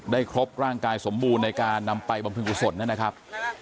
ครบร่างกายสมบูรณ์ในการนำไปบำเพ็งกุศลนะครับ